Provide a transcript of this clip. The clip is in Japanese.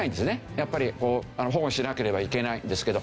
やっぱりこう保護しなければいけないんですけど。